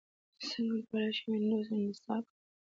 څنګه کولی شم وینډوز انسټال کړم